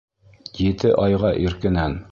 Ете айға иркенән